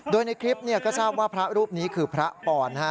โดยในคลิปก็ทราบว่าพระรูปนี้คือพระปอน